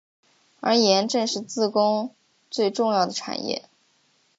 而盐正是自贡最重要的产业。